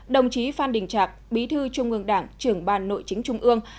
đồng chí phan đình trạc bí thư trung ương đảng trưởng ban nội chính trung ương